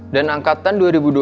dan angkatan dua ribu dua puluh satu